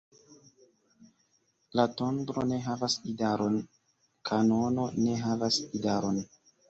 La tondro ne havas idaron; kanono ne havas idaron.